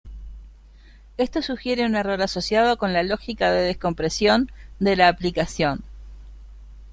Esto sugiere un error asociado con la lógica de descompresión de la aplicación.